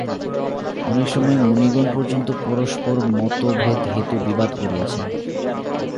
অনেক সময় মুনিগণ পর্যন্ত পরস্পর মতভেদহেতু বিবাদ করিয়াছেন।